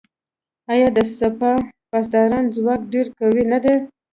آیا د سپاه پاسداران ځواک ډیر قوي نه دی؟